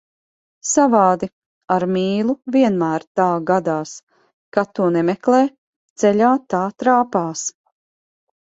Savādi, ar mīlu vienmēr tā gadās, kad to nemeklē, ceļā tā trāpās.